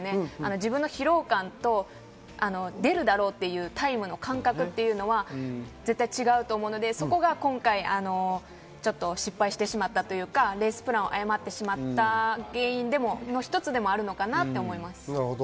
自分の疲労感と出るだろうというタイムの感覚というのは絶対違うと思うので、そこが今回失敗してしまった、レースプランを誤ってしまった原因の一つでもあるのかなと思います。